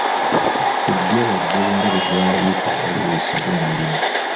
Ku ddyo waggulu nga bwe twalabye ku bbaluwa esaba omulimu.